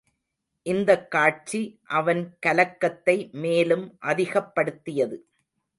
இந்தக் காட்சி அவன் கலக்கத்தை மேலும் அதிகப்படுத்தியது.